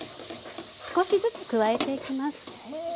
少しずつ加えていきます。